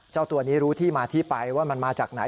เจ้าตัวนี้รู้ที่มาที่ไปว่ามันมาจากไหน